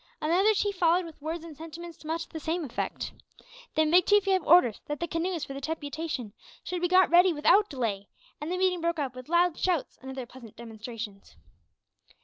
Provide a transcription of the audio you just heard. Another chief followed with words and sentiments to much the same effect. Then Big Chief gave orders that the canoes for the deputation should be got ready without delay, and the meeting broke up with loud shouts and other pleasant demonstrations.